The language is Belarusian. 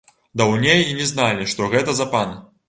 Даўней і не зналі, што гэта за пан.